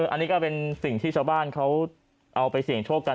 อันนี้ก็เป็นสิ่งที่ชาวบ้านเขาเอาไปเสี่ยงโชคกัน